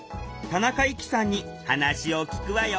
田中宝紀さんに話を聞くわよ。